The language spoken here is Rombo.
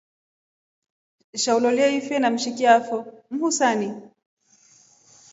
Sha ulolie ife na mshiki afo muhusani.